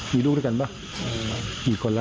มีดูด้วยกันป่ะพี่คนน่ะ